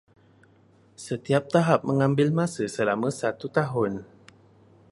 Setiap tahap mengambil masa selama satu tahun.